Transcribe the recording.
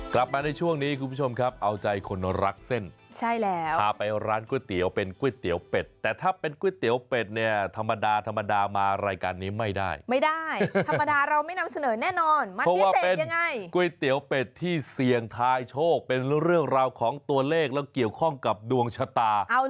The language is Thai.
กลับมาในช่วงนี้คุณผู้ชมครับเอาใจคนรักเส้นใช่แล้วพาไปร้านก๋วยเตี๋ยวเป็นก๋วยเตี๋ยวเป็ดแต่ถ้าเป็นก๋วยเตี๋ยวเป็ดเนี่ยธรรมดาธรรมดามารายการนี้ไม่ได้ไม่ได้ธรรมดาเราไม่นำเสนอแน่นอนเพราะว่าเป็นยังไงก๋วยเตี๋ยวเป็ดที่เสี่ยงทายโชคเป็นเรื่องราวของตัวเลขแล้วเกี่ยวข้องกับดวงชะตา